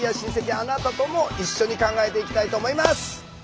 あなたとも一緒に考えていきたいと思います。